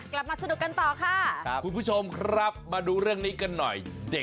กลับมาสนุกกันต่อค่ะคุณผู้ชมครับมาดูเรื่องนี้กันหน่อย